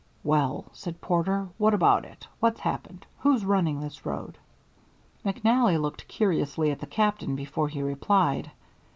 "Well," said Porter, "what about it? What's happened? Who's running this road?" McNally looked curiously at the Captain before he replied.